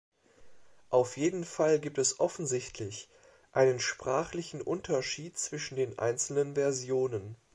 Auf jeden Fall gibt es offensichtlich einen sprachlichen Unterschied zwischen den einzelnen Versionen.